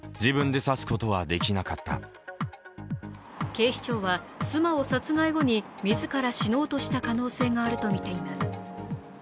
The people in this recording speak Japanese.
警視庁は、妻を殺害後に自ら死のうとした可能性があるとみています。